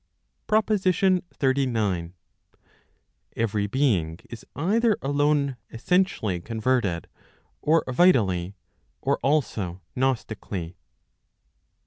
PROPOSITION XXXIX. Every being is either alone essentially converted, or vitally, or also gnostically.